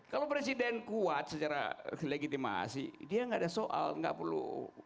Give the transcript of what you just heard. kalau presiden kuat secara legitimasi dia nggak ada soal nggak perlu